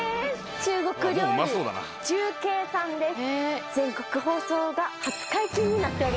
中国料理重慶さんです。